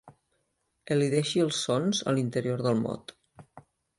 Elideixi els sons a l'interior del mot.